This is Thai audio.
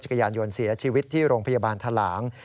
กระยานยนต์เสียชีวิตที่โรงพยาบาลทะหลาง